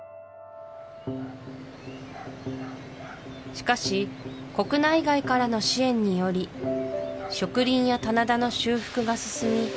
しかし国内外からの支援により植林や棚田の修復が進み